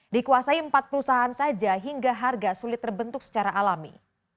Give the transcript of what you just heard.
dikuasai empat perusahaan saja hingga harga sulit terbentuk secara alami